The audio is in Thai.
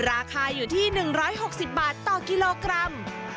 ราคาอยู่ที่๑๖๐บาทต่อกิโลกรัม